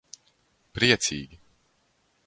Priecīgi.